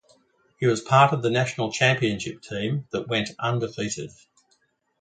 He was part of the national championship team that went undefeated.